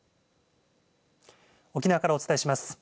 沖縄からお伝えします。